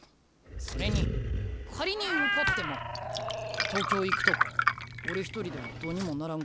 それに仮に受かっても東京行くとか俺一人ではどうにもならんことやし。